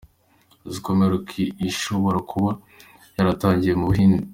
Uzi ko imperuka ishobora kuba yaratangiriye mu Buhinde?.